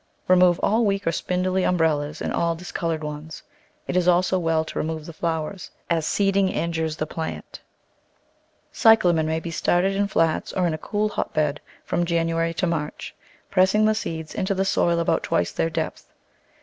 Remove all weak or spindly umbrellas and all discoloured ones; it is also well to remove the flowers, as seeding injures the plant. Cyclamen may be started in flats or in a cool hotbed from January to March, pressing the seed into the soil about twice their depth.